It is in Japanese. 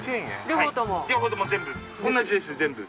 両方とも全部。